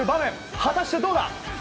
果たして、どうだ。